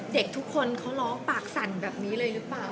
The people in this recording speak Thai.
เด็กทุกคนเขาร้องปากสั่นแบบนี้เลยหรือเปล่า